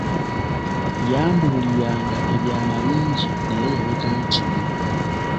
Yambulira nga ebyama bingi naye yalekayo kimu.